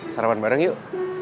sarapan bareng yuk